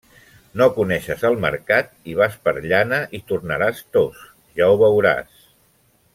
No coneixes el mercat i vas per llana i tornaràs tos, ja ho veuràs!